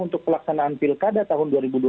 untuk pelaksanaan pilkada tahun dua ribu dua puluh